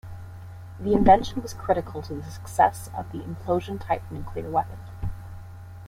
The invention was critical to the success of the implosion-type nuclear weapon.